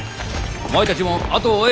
お前たちも後を追え。